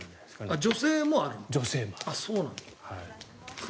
女性もある。